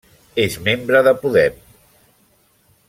És membre de Podem.